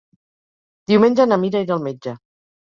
Diumenge na Mira irà al metge.